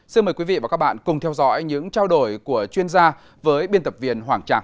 xin mời quý vị và các bạn cùng theo dõi những trao đổi của chuyên gia với biên tập viên hoàng trang